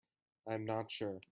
I am not sure.